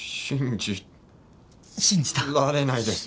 信じた？られないです。